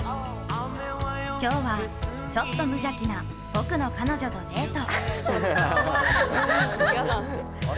今日はちょっと無邪気な僕の彼女とデート。